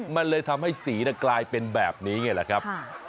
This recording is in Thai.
มันเลยทำให้สีกลายเป็นแบบนี้ไงแหละครับ